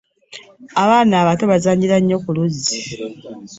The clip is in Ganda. Abaana abato bazannyira nnyo ku luzzi.